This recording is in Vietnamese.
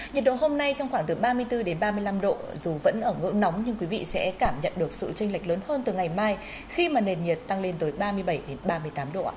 nhiệt độ hôm nay trong khoảng từ ba mươi bốn đến ba mươi năm độ dù vẫn ở ngưỡng nóng nhưng quý vị sẽ cảm nhận được sự tranh lệch lớn hơn từ ngày mai khi mà nền nhiệt tăng lên tới ba mươi bảy ba mươi tám độ